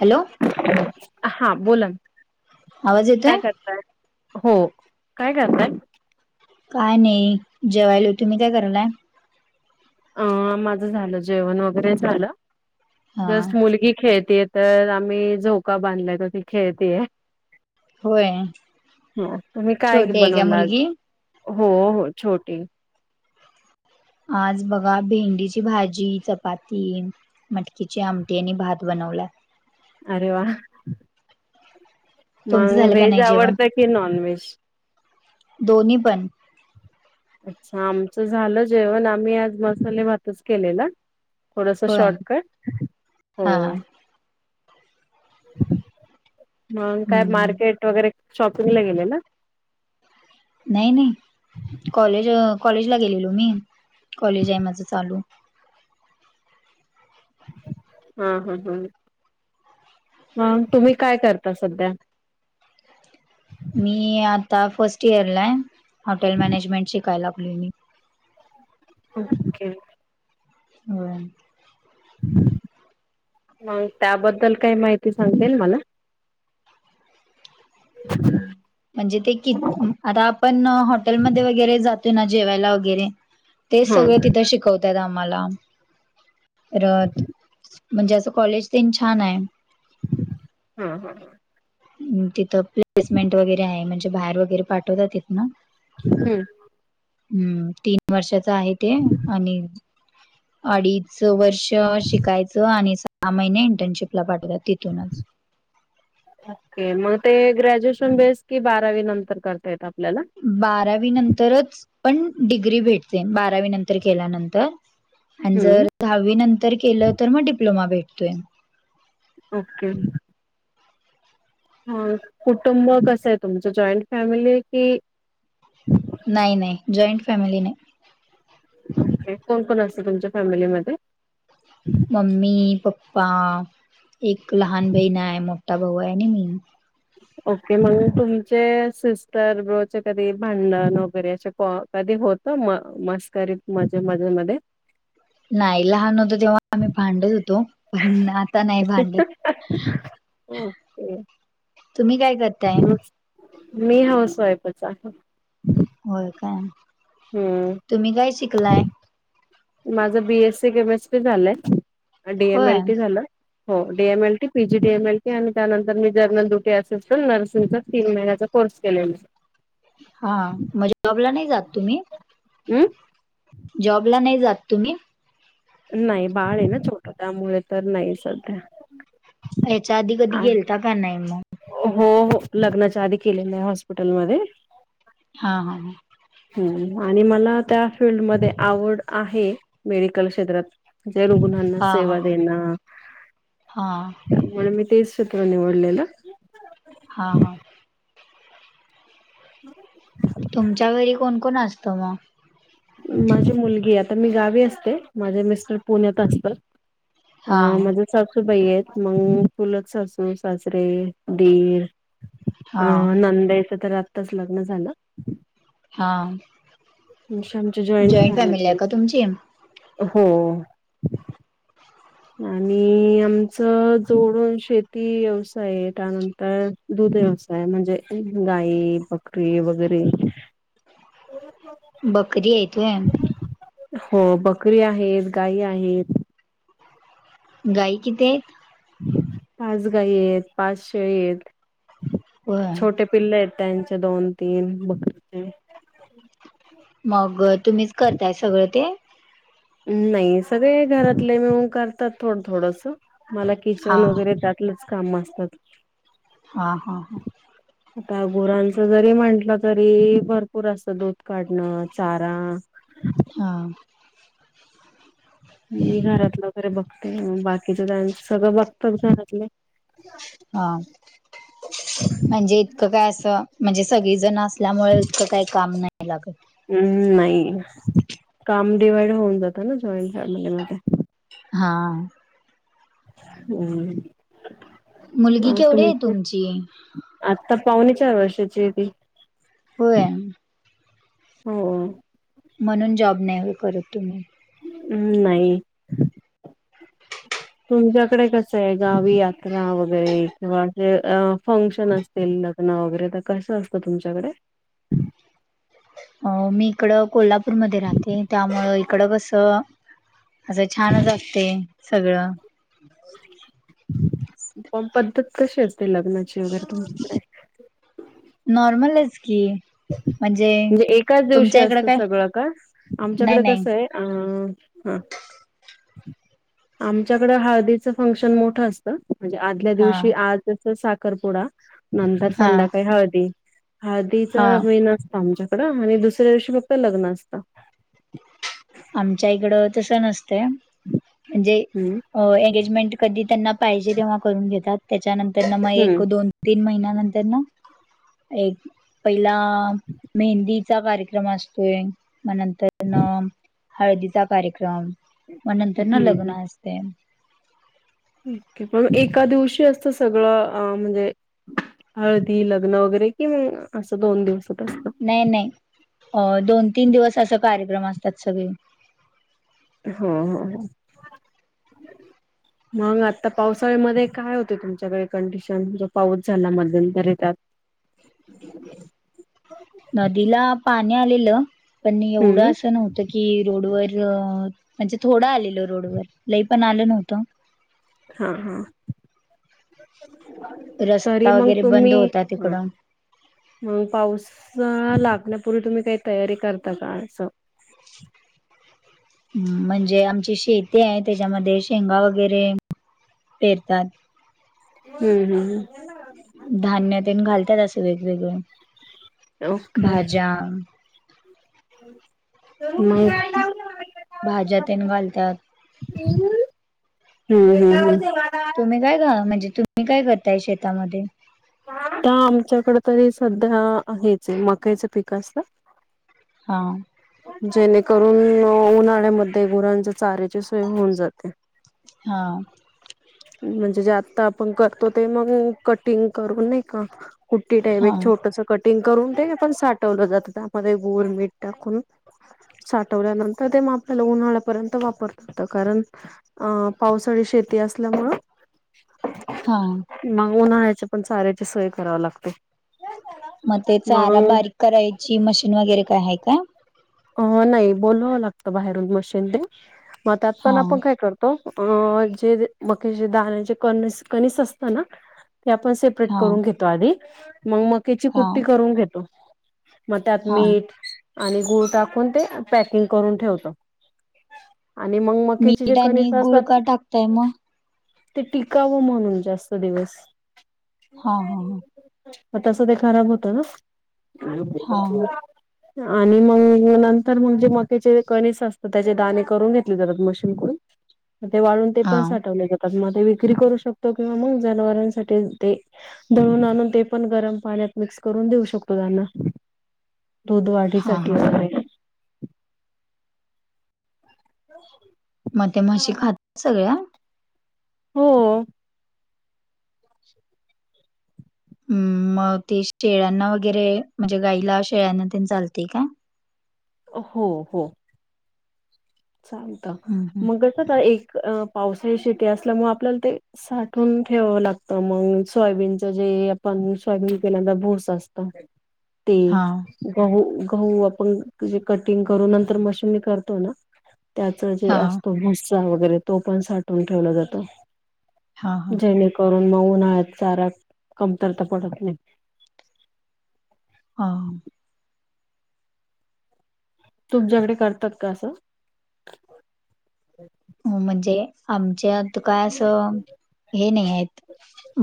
Hello. [unintelligible] हा बोला ना, आवाज काय येतोय करताय? हो, काय करताय? काय नाही जेवायालोय, तुम्ही काय करायलाय? अ माझं झालं, जेवण वगैरे झालं हा जस्ट मुलगी खेळतीय तर आम्ही झोका बांधलाय त ती खेळतीय. होय हो तुम्ही काय छोटी आहे बनवला आज? मुलगी हो हो छोटी. आज बघा भेंडीची भाजी, चपाती. मटकीच्या आमटी आणि भात बनवला. अरे वा. तुमचं मग झालं का व्हेज नाही जेवण आवडतं की नॉन व्हेज? दोन्ही पण अच्छा आमचं झालं जेवण आम्ही आज मसाले भातच केलेला. थोडसा होय शॉर्टकट हो. हा मग काय हम्म मार्केट वगैरे शॉपिंग ला गेलेलं. नाही नाही कॉलेज कॉलेजला गेलेलो मी कॉलेज आहे माझं चालू. हा हा हा मग तुम्ही काय करता सध्या? मी आता फस्ट इयरला आहे, हॉटेल मॅनेजमेंट शिकायला आप ओके. हम. मग त्याबद्दल काय माहिती सांगते मला? ह. म्हणजे ते कि आता आपण हॉटेलमध्ये वगैरे जातोय ना जेवायला वगैरे. तेच हा सगळं तिथं शिकवत ताता आम्हाला परत म्हणजे असं कॉलेज तेन छान आहे. हा हा. तिथं प्लेसमेंट वगैरे आहे म्हणजे बाहेर वगैरे पाठवतात तिथन. हम्म. हम्म तीन वर्षाच आहे ते आणि अडीच वर्ष शिकायचं आणि स हा महिने इंटर्नशिपला पाठवत्यात तिथूनच. ओके मग ते ग्रॅज्युएशन बेस कि बारावी नंतर करता येत आपल्याला. बारावी नंतरच पण डिग्री भेटते बारावी नंतर केल्यानंतर आणि हम्म. जर दहावी नंतर केलं तर मग डिप्लोमा भेटतोय. ओके. हा कुटुंब कसं आहे तुमचं जॉईंट फॅमिली आहे की? नाही नाही जॉईंट फॅमिली नाही. कोण कोण असत तुमच्या फॅमिलीमध्ये? मम्मी, पप्पा एक लहान बहीण आहे, मोठा भाऊ आहे आणि मी. ओके मग तुमचे सिस्टर ब्रो चे कधी भांडण वगैरे असे कधी होत नाही. त म मस्करीत मजे मजे मध्ये. नाही लहान होतो तेव्हा आम्ही भांडत होतो पण आता नाही भांडत. ओके. तुम्ही काय कर मी हाऊस वाईफच आहे. होय काय? हम्म. तुम्ही काय शिकलाय? माझं बी एस सी केमेस्ट्री झालंय, डी एम होय एल टी झालं. हो D M L T, P G D M L T आणि त्यानंतर मी जर्नल ड्युटी असिस्टंट नर्सिंगच तीन महिन्याचा कोर्स केलोय मी. हा म्हणजे जॉबला नाही जात तुम्ही? हम्म. जॉबला नाही जात तुम्ही? नाही बाळ आहे ना छोट त्यामुळे तर नाही सध्या. याच्या आधी कधी गेलता का नाही मग? हो हो लग्नाच्या आधी केलेल्या आहे हॉस्पिटलमध्ये. हा हा. हम्म आणि मला त्या फील्डमध्ये आवड आहे मेडिकल क्षेत्रात. जे रुग्णांना हा सेवा हा देणं. हा. त्यामुळे मी तेच क्षेत्र निवडलेलं. हा हा. तुमच्या घरी कोण कोण असतं मग? माझी मुलगी आता मी गावी असते माझे मिस्टर पुण्यात असतात. हा आ मदत. सासूबाई आहेत मग चुलत सासू सासरे दीर अ हा नंदईच तर आत्ताच लग्न झालं. हा, म्हणजे आमची जॉईंट जॉईन फॅमिली आहे का तुमची? हो. आणि आमचं जोडून शेती व्यवसाय त्यानंतर दूध व्यवसाय म्हणजे गाई, बकरी वगैरे [unintelligible] बकरी आहेत होय. हो बकरी आहेत गाई आहेत. गाई किती आहेत? पाच गाई आहेत, पाच शेळी आहेत होय छोटे पिल्ले आहेत त्यांचे दोन तीन बघ मग तुम्हीच करताय सगळं ते. नाही सगळे घरातले मिळून करतात थोडं थोडस मला हा किचन वगैरे त त्यातलंच काम असतात. हा हा हा. [inaudible] आता गुरांच जरी म्हटलं तरी भरपूर असत दूध काढणं चारा. [inaudible] हा. मी घरातलं वगैरे बघते बाकीच जणांचं सगळं बघतात घरातले. हा म्हणजे? इतकं काय असं म्हणजे सगळीजण असल्यामुळे इतकं काही काम नाही लागत. हम्म, नाही काम डिवाइड होऊन जातं ना जॉईन फॅमिलीमध्ये. हा. हम्. मुलगी केवढी आहे तुमची? आता पावणे चार वर्षाची हाय ती. होय. हो. म्हणून जॉब नाही वय करत तुम्ही? हम् नाही. तुमच्याकडे कस यायचं गावी यात्रा वगैरे किंवा असे फंक्शन अस तील लग्न वगैरे तर कसं असतं तुमच्याकडे? अ मी इकडं कोल्हापूरमध्ये राहते त्यामुळ इकडं कसं असं छानच असतंय सगळं. पण पद्धत कशी असते लग्नाची वगैरे तुमच्या नॉर्मलच की. म्हणजे एकाच दिवशी तुमच्या इकडं असतं काय सगळं का? नाही आमच्याकडे नाही कसं आहे अ हा आमच्याकड हळदीचं फंक्शन मोठं असतं. म्हणजे आदल्या हा दिवशी आज अस साखरपुडा नंतर हा संध्याकाळी हळदी. हळदीचा हा मेन असत आमच्याकडं आणि दुसऱ्या दिवशी फक्त लग्न असतं. आमच्या इकडं तस नसतंय म्हणजे हम्म! एंगेजमेंट कधी त्यांना पाहिजे तेव्हा करून घेतात त्याच्यानंतर मग हम्म एक दोन तीन महिन्यानंतर न एक पहिला मेहंदी चा कार्यक्रम असतोय म नंतर न हळदीचा कार्यक्रम म नंतर न हम्म लग्न असतंय. ओके पण एका दिवशी असत सगळं म्हणजे हळदी लग्न वगैरे कि मग असं दोन दिवसात असत? नाही नाही अ दोन तीन दिवस असं कार्यक्रम असत्यात सगळे. हम्म हम्म हम्म! मग आता पावसाळ्यामध्ये काय होती तुमच्याकडे कंडिशन जो पाऊस झाला मध्यंतर त्यात? नदीला पाणी आलेलं पण एवढं हम्म असं नव्ह त कि रोडवर म्हणजे थोडं आलेल रोडवर लई पण आलं नव्हतं. हा हा, तरी रस्ता मग वगैरे बंद तुम्ही होता तिकडं मग पाऊस लागण्यापूर्वी तुम्ही काही तयारी करता का असं? [inaudible] म्हणजे आमची शेती आहे त्याच्यामध्ये शेंगा वगैरे पेरतात. हम्म हम्! धान्य ते घालतात असं वेगवेगळें ओके भाज्या मग भाज्या तेन घालत्यात. हम्म हम्म हम्म! तुम्ही काय का म्हणजे तुम्ही काय करताय शेतामध्ये? आता आमच्याकडे तरी सध्या हेच ये मक्याच पिक असत. हा! जेणेकरून उन्हाळ्यामध्ये गुरांच्या चाऱ्याची सोय होऊन जाते. [inaudible] हा! म्हणजे जे आत्ता आपण करतो ते मग कटिंग करू नाई का कुट्टी टाईप हा एक छोटस कटिंग करून ते पण साठवलं जातं त्यामध्ये गुळ मीठ टाकून साठवल्यानंतर ते आपल्याला उन्हाळ्यापर्यंत वापरता येत कारण अ पावसाळी शेती असल्यामुळ हा! मग उन्हाळ्याच्या पण चाऱ्याची सोय करावी लागते. मग ते चारा बारीक करायची मशीन वगैरे काय हाय काय? अ नाही बोलावाव लागत बाहेरून मशीन ते मग त्यात पण हा आपण काय कर तो जे मक्याचे दण्याचे कणीस कणीस असत ना ते आपण सेप परेट हा करून घेतो आधी मग मक्याची हा कुट्टी करून घेतो. मग त्यात हा मीठ आणि गुळ टाकून ते पॅकिंग करून ठेव आणि मग मक्याचे जे मीठ आणि कणिस गुळ का असतात- टाकताय मग ते टिकावं म्हणून जास्त दिवस- हा हा मग तस ते खराब होत ना, हा आणि मग... नंतर मग जे मक्याचे कणीस असतात त्याचे दाणे करून घेतले तर मशीनकडून- ते वाळून ते हा पण हा साठवले जातात- म ते विक्री करू शकतो किंवा मग जनावरांसाठी ते- दळून आणून ते पण गरम पाण्यात मिक्स करून देऊ शकतो त्यांना- दूध हा वाढीसाठी हा असते. ह... मग त्या म्हशी खातात सगळ्या? हो.... [unintelligible] हम् मग ते शेळ्यांना वगैरे म्हणजे गाईला, शेळ्यांना ते चालते का? हो हो... हं, हं. मग कस ते एक पावसाळी शेती असल्यामुळे आपल्याला ते- साठून ठेवावं लागत मग सोयाबीनच जे आपण सोयाबीन केल्या तर भूसा असतो- [unintelligible] ते हां, गहु, गहु आपण जे कटिंग करून नंतर मशीननी करतो ना- त्याच जे हां, असतो भुसा वगैरे तो पण साठवून ठेवला जातो हां, हां, जेणेकरून मग उन्हाळ्यात चऱा कमतरता पडत नाही हा तुमच्याकडे करतात का म्हणजे आमच्यात काय असं हे नाही हेत-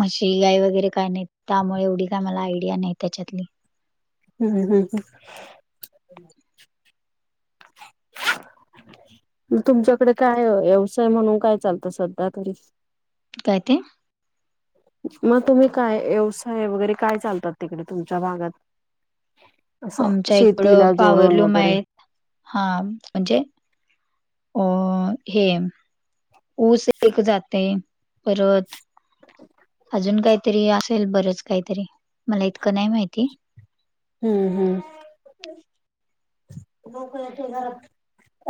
मशी, गाई वगैरे काय नाही त्यामुळे एवढी काय मला आयडिया नाही त्याच्यातली- हम् हम्... तुमच्याकडे काय व्यवसाय म्हणून काय चालतं सध्या काय ते? मग तुम्ही काय व्यवसाय वगैरे काय चालतात तिकडे तुमच्या भागात? असं आमच्या इकडं शेतीला जोडून पॉवरलूम वगैरे आहेत हा म्हणजे अ हे ऊस एक जाते परत अजून काहीतरी असेल बरंच काहीतरी मला इतकं नाही माहिती हम्म हम्म लोक य घरात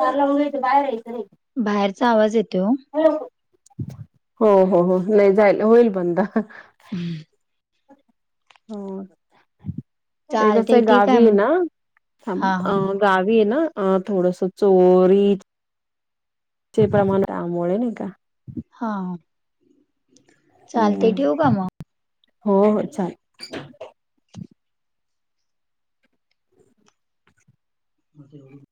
दार लाऊन घ्यायचंबाहेर यायचं नाय बाहेरचा आवाज येतो आ हो हो हो नाही जायल होईल बंद हम्म हो ते कस चालतंय ठीक आहे गावी मग. ऐना हां, हां. अ गावी ऐ ना अ थोडस चोरी ते प्रमाण आमुळे नाही का हा का हम्म मग? हो हो चालेल मज होून